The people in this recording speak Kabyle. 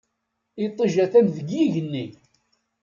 Iṭij atan deg yigenni.